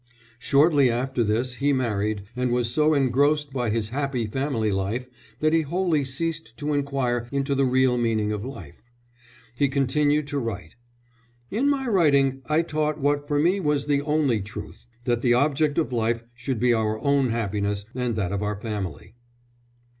Shortly after this he married, and was so engrossed by his happy family life that he wholly ceased to inquire into the real meaning of life. He continued to write. "In my writing I taught what for me was the only truth that the object of life should be our own happiness and that of our family."